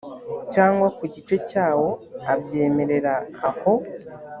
cyangwa ku gice cyawo abyemerera aho